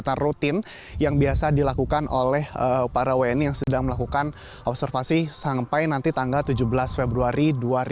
pemeriksaan rutin yang biasa dilakukan oleh para wni yang sedang melakukan observasi sampai nanti tanggal tujuh belas februari dua ribu dua puluh